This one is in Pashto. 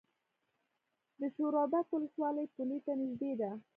د شورابک ولسوالۍ پولې ته نږدې ده